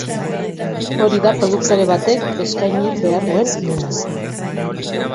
Hori da produktore batek eskaini behar duen minimoa.